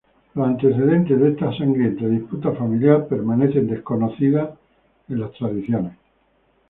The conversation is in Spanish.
Los antecedentes de esta sangrienta disputa familiar permanecen anónimas en las tradiciones.